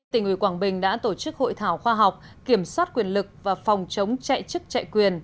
tỉnh ủy quảng bình đã tổ chức hội thảo khoa học kiểm soát quyền lực và phòng chống chạy chức chạy quyền